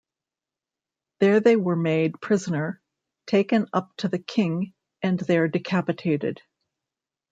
There they were made prisoner, taken up to the king and there decapitated.